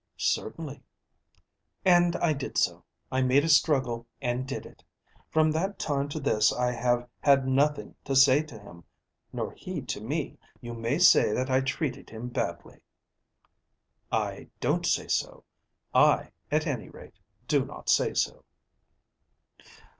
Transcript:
"Certainly." "And I did so. I made a struggle and did it. From that time to this I have had nothing to say to him, nor he to me. You may say that I treated him badly." "I don't say so. I, at any rate, do not say so."